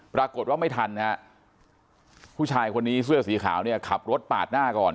ปรากฏว่าไม่ทันฮะผู้ชายคนนี้เสื้อสีขาวเนี่ยขับรถปาดหน้าก่อน